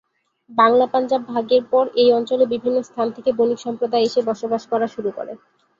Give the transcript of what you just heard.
বাংলা-পাঞ্জাব ভাগের পর এই অঞ্চলে বিভিন্ন স্থান থেকে বণিক সম্প্রদায় এসে বসবাস করা শুরু করে।